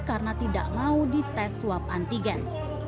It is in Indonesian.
karena tidak mau dites swab antigen